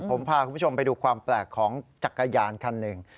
ผมพาคุณผู้ชมไปดูความแปลกของจักรยานคันหนึ่ง